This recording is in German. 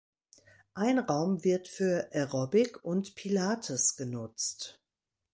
Ein Raum wird für Aerobic und Pilates genutzt.